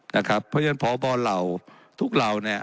นะครับเพราะฉะนั้นพบเราทุกเราเนี่ย